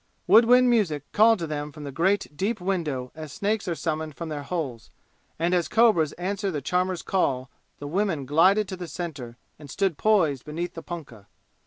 Wood wind music called to them from the great deep window as snakes are summoned from their holes, and as cobras answer the charmer's call the women glided to the center and stood poised beneath the punkah.